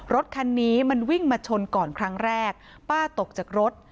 รถคันนี้มันวิ่งมาชนก่อนครั้งแรกป้าตกจากรถ